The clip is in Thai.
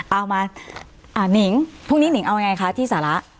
เอามาหนิงพรุ่งนี้หนิงเอาไงคะที่สาระ